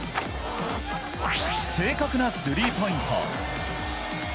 正確なスリーポイント。